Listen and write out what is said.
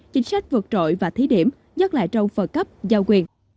chính sách vượt trội và thí điểm nhắc lại trong phần cấp giao quyền